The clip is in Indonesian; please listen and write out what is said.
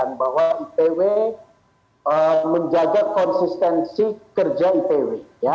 waktu itu saya menyampaikan bahwa ipw menjaga konsistensi kerja ipw